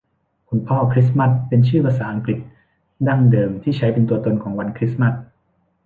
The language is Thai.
คุณพ่อคริสมาสต์เป็นชื่อภาษาอังกฤษดั้งเดิมที่ใช้เป็นตัวตนของวันคริสต์มาส